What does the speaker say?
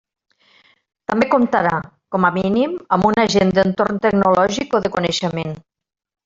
També comptarà, com a mínim, amb un agent d'entorn tecnològic o de coneixement.